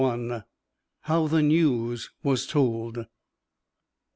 HOW THE NEWS WAS TOLD.